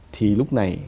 thì lúc này